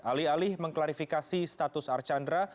alih alih mengklarifikasi status archandra